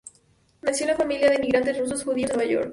Nació en una familia de inmigrantes rusos judíos en Nueva York.